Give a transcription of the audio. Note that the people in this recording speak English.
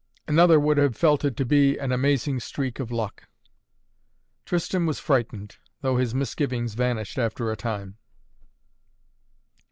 Another would have felt it to be an amazing streak of luck. Tristan was frightened, though his misgivings vanished after a time.